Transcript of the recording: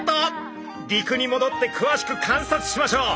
陸にもどってくわしく観察しましょう。